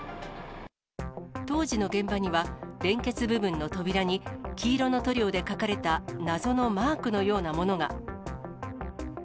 当時の現場には、連結部分の扉に、黄色の塗料でかかれた謎のマークのようなものが。